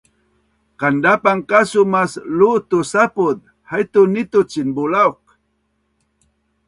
Kandapan kasu mas luu tu sapuz, haitu nitu cinbulauk